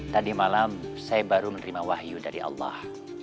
tadi malam saya baru menerima wahyu dari allah